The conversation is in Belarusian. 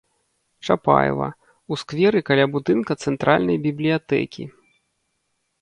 Чапаева, у скверы каля будынка цэнтральнай бібліятэкі.